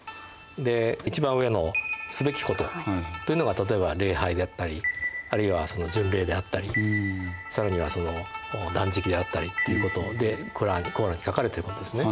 で一番上の「すべきこと」というのが例えば礼拝であったりあるいは巡礼であったり更には断食であったりっていうことで「コーラン」に書かれてることですね。